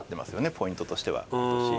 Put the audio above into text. ポイントとしては少し。